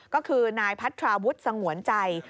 ก็คือนายพัทราวุฒิสงวนใจ